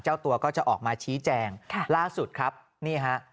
เจ้าตัวก็จะออกมาชี้แจงล่าสุดครับนี่ฮะ